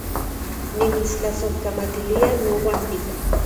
Nimitstlasojkamatilia nouan tika